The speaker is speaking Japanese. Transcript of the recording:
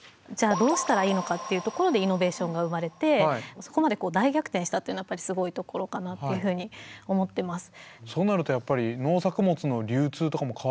どうしたらいいのかっていうところでイノベーションが生まれてそこまで大逆転したというのはすごいところかなっていうふうに思ってます。